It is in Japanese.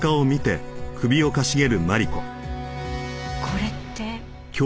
これって。